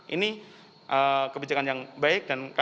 ini kebijakan yang baik